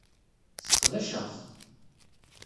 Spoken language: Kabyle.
Sseqdaceɣ-t.